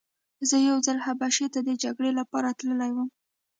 زه یو ځل حبشې ته د جګړې لپاره تللی وم.